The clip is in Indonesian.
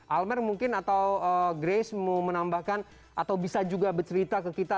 almer mungkin atau grace mau menambahkan atau bisa juga bercerita ke kita